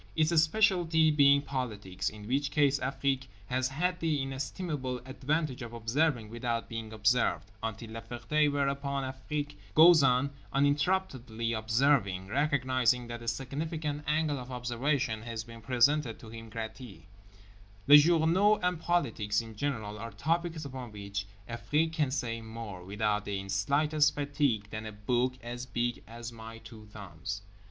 Its specialty being politics, in which case Afrique has had the inestimable advantage of observing without being observed—until La Ferté; whereupon Afrique goes on uninterruptedly observing, recognising that a significant angle of observation has been presented to him gratis. Les journaux and politics in general are topics upon which Afrique can say more, without the slightest fatigue, than a book as big as my two thumbs.